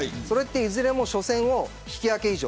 それはいずれも初戦を引き分け